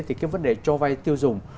thì cái vấn đề cho vay tiêu dùng